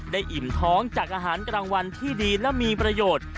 อิ่มท้องจากอาหารกลางวันที่ดีและมีประโยชน์